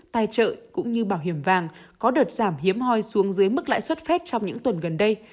tài trợ cũng như bảo hiểm vàng có đợt giảm hiếm hoi xuống dưới mức lãi suất phép trong những tuần gần đây